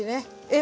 え